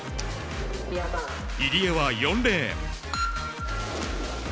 入江は４レーン。